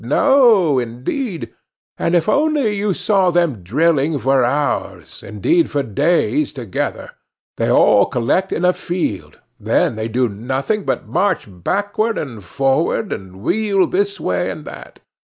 No, indeed! And if only you saw them drilling for hours, indeed for days, together; they all collect in a field, then they do nothing but march backward and forward, and wheel this way and that.